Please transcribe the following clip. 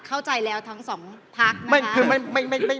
เข้าใจแล้วทั้งสองพัก